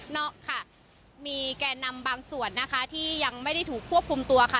ค่ะมีแก่นำบางส่วนนะคะที่ยังไม่ได้ถูกควบคุมตัวค่ะ